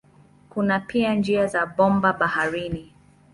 Kuna pia njia za bomba baharini.